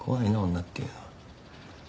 女っていうのは。